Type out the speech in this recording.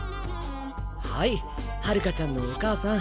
はい春夏ちゃんのお母さん。